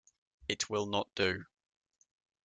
It will not do.